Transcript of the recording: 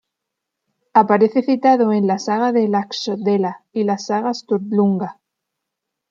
Aparece citado en la "saga de Laxdœla", y la "saga Sturlunga".